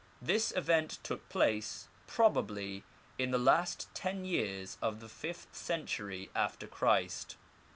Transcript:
This event took place, probably, in the last ten years of the fifth century after Christ.